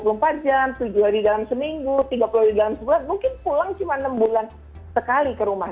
dua puluh empat jam tujuh hari dalam seminggu tiga puluh hari dalam sebulan mungkin pulang cuma enam bulan sekali ke rumah